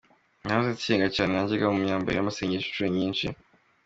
Nahoze nsenga cyane najyaga mu byumba by’ amasengesho inshuro nyinshi.